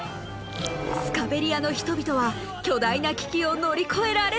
スカベリアの人々は巨大な危機を乗り越えられるのか？